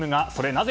なぜ